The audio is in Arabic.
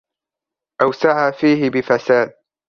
أَوْ سَعَى فِيهِ بِفَسَادٍ